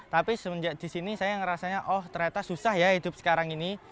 tapi semenjak di sini saya ngerasanya oh ternyata susah ya hidup sekarang ini